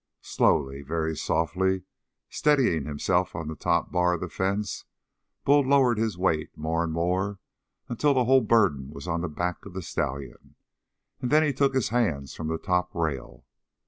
Slowly, very softly, steadying himself on the top bar of the fence, Bull lowered his weight more and more until the whole burden was on the back of the stallion and then he took his hands from the top rail.